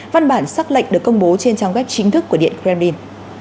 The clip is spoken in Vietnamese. văn bản xác lệnh được công bố trên trang web chính thức của điện kremlin